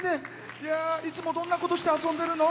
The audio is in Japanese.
いつもどんなことして遊んでるの？